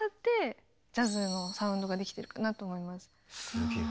すげえ。